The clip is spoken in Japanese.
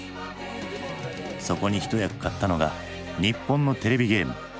そこに一役買ったのが日本のテレビゲーム。